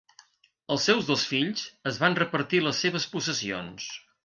Els seus dos fills es van repartir les seves possessions.